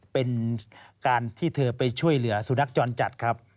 เป็นการที่เธอไปช่วยเหลือสุนัขจรจัดครับ